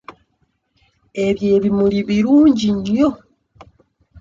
Ebyo ebimuli birungi nnyo.